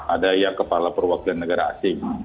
ada yang kepala perwakilan negara asing